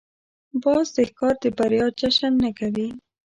باز د ښکار د بریا جشن نه کوي